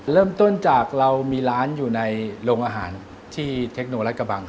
เริ่มต้นจากเรามีร้านอยู่ในโรงอาหารที่เทคโนรัฐกระบัง